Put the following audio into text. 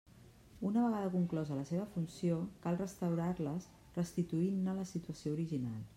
Una vegada conclosa la seva funció, cal restaurar-les restituint-ne la situació original.